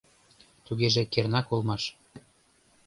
Тугеже кернак улмаш.